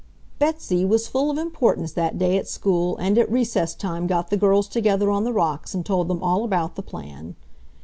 Betsy was full of importance that day at school and at recess time got the girls together on the rocks and told them all about the plan.